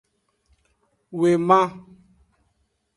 Woman.